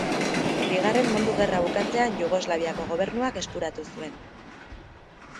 Bigarren Mundu Gerra bukatzean Jugoslaviako gobernuak eskuratu zuen.